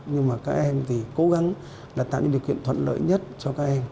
nhưng mà các em thì cố gắng là tạo những điều kiện thuận lợi nhất cho các em